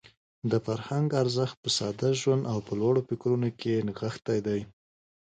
د فرهنګ ارزښت په ساده ژوند او په لوړو فکرونو کې نغښتی دی.